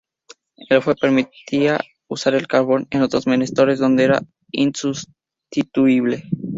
El fuel permitía usar el carbón en otros menesteres donde era insustituible.